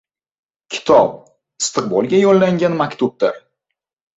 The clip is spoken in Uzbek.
• Kitob istiqbolga yo‘llangan maktubdir…